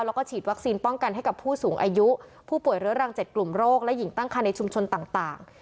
แล้วก็ฉีดวัคซีนป้องกันให้กับผู้สูงอายุผู้ป่วยเรื้อรัง๗กลุ่มโรคและหญิงตั้งคันในชุมชนต่าง